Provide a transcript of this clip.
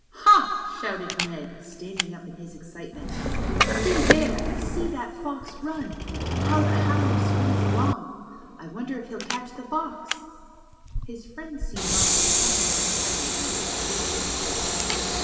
^^Ha!" shouted Ned, standing up in his excitement. See there ! See that fox run ! How the hound springs along ! I wonder if he'll catch the fox !" His friend seemed also somewhat excited by this spirited sight.